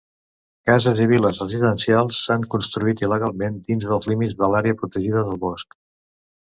Cases i viles residencials s'han construït il·legalment dins dels límits de l'àrea protegida del bosc.